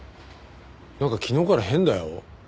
なんか昨日から変だよ。